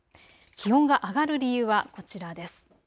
気温が上がる理由はこちらです。